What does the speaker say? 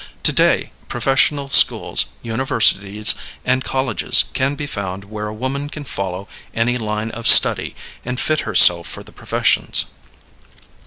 To day professional schools, universities, and colleges can be found where a woman can follow any line of study and fit herself for the professions.